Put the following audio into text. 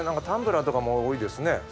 タンブラーとかも多いですね。